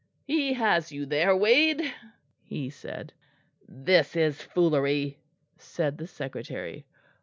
"He has you there, Wade," he said. "This is foolery," said the Secretary.